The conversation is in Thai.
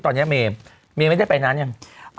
ตอนนี้เมฆไม่ได้ไปนั้นรึยัง